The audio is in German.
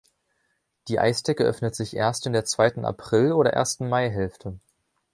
Die Eisdecke öffnet sich erst in der zweiten April- oder ersten Maihälfte.